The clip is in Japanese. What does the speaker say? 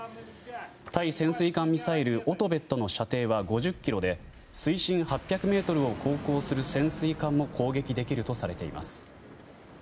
対潜水艦ミサイルオトベットの射程は５０ｋｍで水深８００ｍを航行する潜水艦も攻撃できるとされています。